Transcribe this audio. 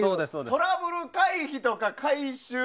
トラブル回避とか回収。